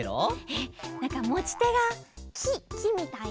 えっなんかもちてがききみたいな。